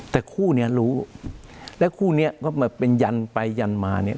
แต่คู่เนี้ยรู้และคู่เนี้ยก็มาเป็นยันไปยันมาเนี่ย